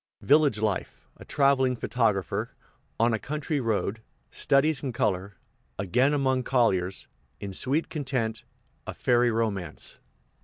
Village life A traveling photographer On a country road Studies in color Again among colliers In sweet content A ferry romance.